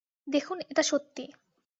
দেখুন, এটা সত্যি।